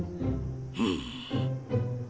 うん。